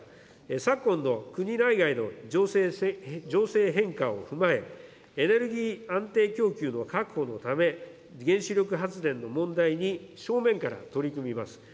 昨今の国内外の情勢変化を踏まえ、エネルギー安定供給の確保のため、原子力発電の問題に正面から取り組みます。